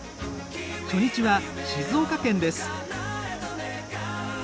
初日は静岡県です。